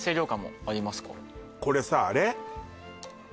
うんこれさあれ？